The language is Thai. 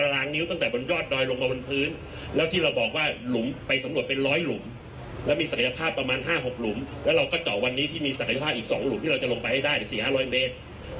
แล้วเราก็เจาะวันนี้ที่มีศักยภาพอีกสองหลุมที่เราจะลงไปให้ได้สี่ห้าร้อยเมตร